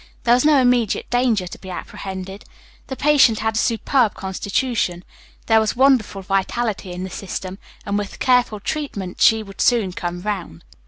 There was no immediate danger to be apprehended. The patient had a superb constitution; there was wonderful vitality in the system; and, with careful treatment she would soon come round.